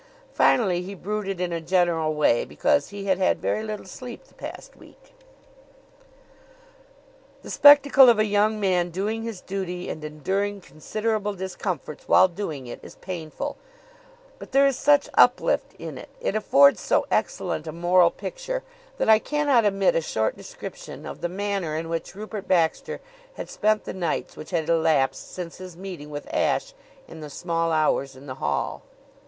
Finally he brooded in a general way, because he had had very little sleep the past week. The spectacle of a young man doing his duty and enduring considerable discomforts while doing it is painful; but there is such uplift in it, it affords so excellent a moral picture, that I cannot omit a short description of the manner in which Rupert Baxter had spent the nights which had elapsed since his meeting with Ashe in the small hours in the hall.